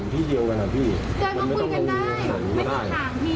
พี่ก็พี่ก็ไม่รู้ไง